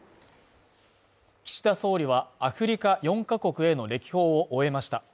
岸田総理は、アフリカ４カ国への歴訪を終えました。